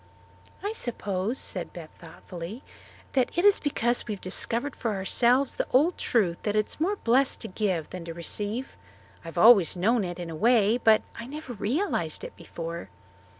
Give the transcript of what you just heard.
"I suppose," said Beth thoughtfully, "that it is because we have discovered for ourselves the old truth that it is more blessed to give than to receive. I've always known it, in a way, but I never realized it before."